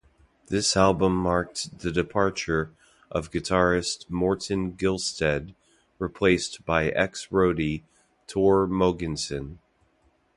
This album marked the departure of guitarist Morten Gilsted replaced by ex-roadie Tore Mogensen.